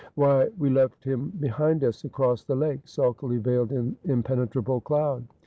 ' Why, we left him behind us, across the lake, sulkily veiled in impenetrable cloud.'